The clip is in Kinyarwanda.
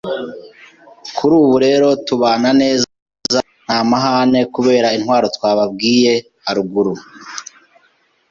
Kuri ubu rero tubana neza, nta mahane, kubera intwaro twababwiye haruguru.